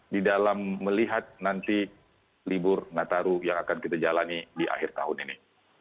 di dalam melihat nanti libur nataru yang akan kita jalani di akhir tahun ini